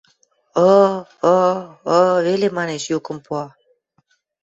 – Ы... ы... ы... – веле манеш, юкым пуа.